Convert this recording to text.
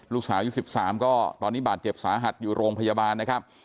ลูกสาวยุค๑๓ก็ตอนนี้บาดเจ็บสาหัสอยู่โรงพยาบาลนะครับ